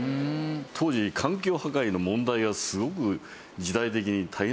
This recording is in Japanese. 当時環境破壊の問題がすごく時代的に大変だったんですよ。